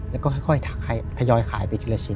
แล้วก็ค่อยทยอยขายไปทีละชิ้น